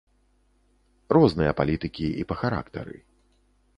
Розныя палітыкі і па характары.